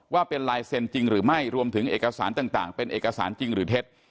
ว่าเป็นลายเซ็นต์จริงหรือไม่รวมถึงเอกสารต่างเป็นเอกสารจริงหรือเท็จ